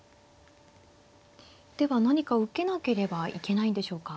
では何か受けなければいけないんでしょうか。